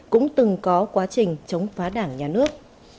cũng từng có quá trình chống phá đảng nhà nước